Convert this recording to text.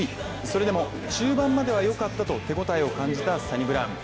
それでも中盤まではよかったと手応えを感じたサニブラウン。